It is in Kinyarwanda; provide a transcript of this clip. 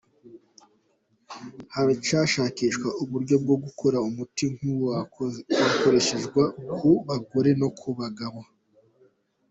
Haracyashakishwa uburyo bwo gukora umuti nk’uwo wazakoreshwa ku bagore no ku bagabo.